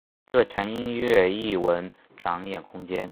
这墙音乐艺文展演空间。